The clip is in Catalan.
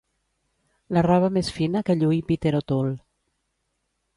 La roba més fina que lluí Peter O'Toole.